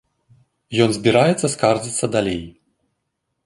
Ён збіраецца скардзіцца далей.